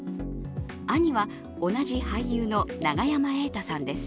兄は、同じ俳優の永山瑛太さんです。